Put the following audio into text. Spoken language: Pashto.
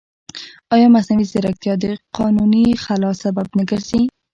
ایا مصنوعي ځیرکتیا د قانوني خلا سبب نه ګرځي؟